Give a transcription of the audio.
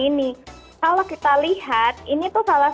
ini tuh salah satu kasus bullying yang terjadi di sekolah ini